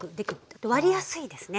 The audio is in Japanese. あと割りやすいですね。